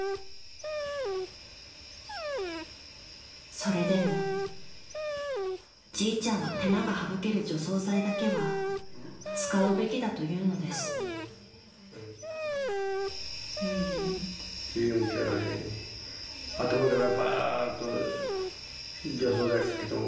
それでもじいちゃんは手間が省ける除草剤だけは使うべきだと言うのです頭から。